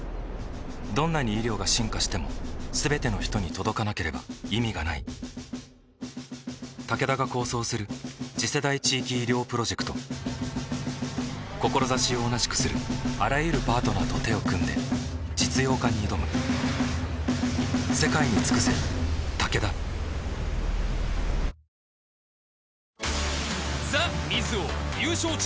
どんなに医療が進化しても全ての人に届かなければ意味がないタケダが構想する次世代地域医療プロジェクト志を同じくするあらゆるパートナーと手を組んで実用化に挑むＴＨＥ